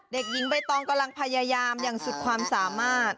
เด็กหญิงใบตองกำลังพยายามอย่างสุดความสามารถ